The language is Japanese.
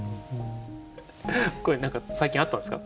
これ何か最近あったんですか？